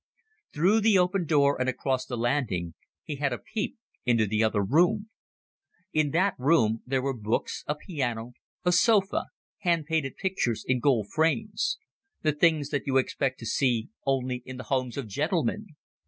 Through the open door and across the landing, he had a peep into the other room. In that room there were books, a piano, a sofa, hand painted pictures in gold frames the things that you expect to see only in the homes of gentlemen.